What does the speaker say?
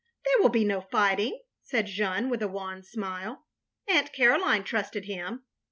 "There will be no fighting," said Jeanne, with a wan smile. " Aunt Caroline trusted him.